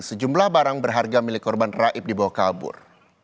sejumlah barang berharga milik korban raib dibawa kabur